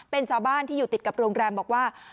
เป็นชาวบ้านที่อยู่ติดกับโรงแรมบอกว่า